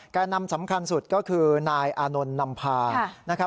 แก่นำสำคัญสุดก็คือนายอนนนำพา